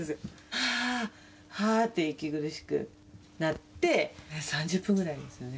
はあはあって、息苦しくなって、３０分ぐらいですよね。